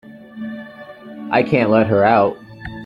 I can't let her out.